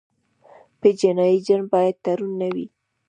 په جنایي جرم باید تورن نه وي.